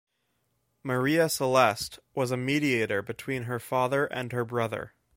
Maria Celeste was a mediator between her father and her brother.